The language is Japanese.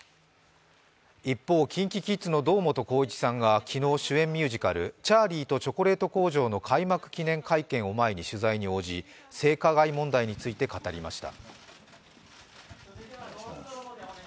一方、ＫｉｎＫｉＫｉｄｓの堂本光一さんが昨日、主演ミュージカル「チャーリーとチョコレート工場」の開幕記念会見を前に取材に応じ性加害問題について語りました。